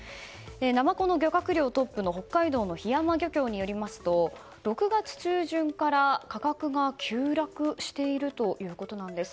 ナマコの漁獲量トップの北海道のひやま漁協によりますと６月中旬から価格が急落しているということなんです。